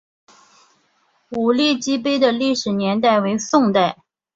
五礼记碑的历史年代为宋代。